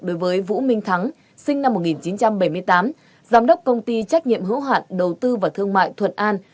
đối với vũ minh thắng sinh năm một nghìn chín trăm bảy mươi tám giám đốc công ty trách nhiệm hữu hạn đầu tư và thương mại thuận an